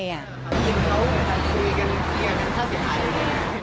แล้วคุยกันเกลียดกันถ้าเสียหายอยู่ไหน